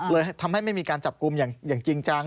เลยทำให้ไม่มีการจับกลุ่มอย่างจริงจัง